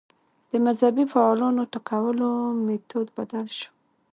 د مذهبي فعالانو ټکولو میتود بدل شو